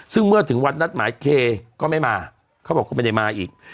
ซึ่งเมื่อถึงวันนัดหมายเคก็ไม่มาเขาบอกก็ไม่ได้มาอีก